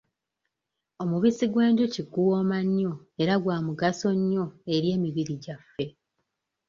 Omubisi gw'enjuki guwooma nnyo era gwa mugaso nnyo eri emibiri gyaffe.